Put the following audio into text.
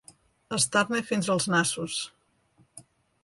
Estar-ne fins als nassos.